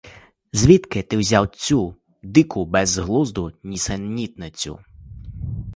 Звідки ти взяв цю дику, безглузду нісенітницю?